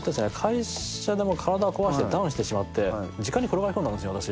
会社でもう体を壊してダウンしてしまって実家に転がり込んだんですよ私。